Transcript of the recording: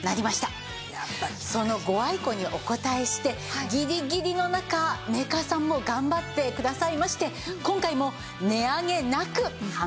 そのご愛顧にお応えしてギリギリの中メーカーさんも頑張ってくださいまして今回も値上げなく販売致します。